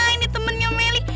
ini temennya melih